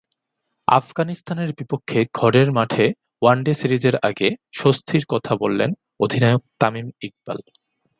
আফগানিস্তানের বিপক্ষে ঘরের মাঠে ওয়ানডে সিরিজের আগে স্বস্তির কথা বলেছিলেন অধিনায়ক তামিম ইকবাল।